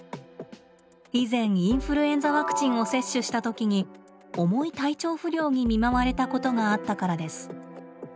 以前インフルエンザワクチンを接種した時に重い体調不良に見舞われたことがあったからです。